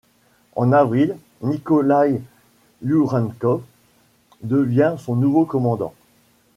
En avril, Nikolaï Yurenkov devient son nouveau commandant.